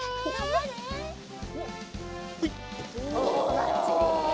ばっちり！